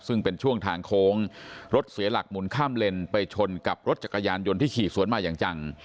ซึ่งเป็นช่วงทางโค้งรถเสียหลักหมุนข้ามเลนไปชนกับรถจักรยานยนต์ที่ขี่สวนมาอย่างจัง